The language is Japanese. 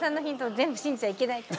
全部、信じちゃいけない。